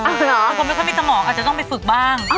อ๋อเหรอคุณควรไม่ค่อยมีสมองอาจจะต้องไปฝึกบ้าง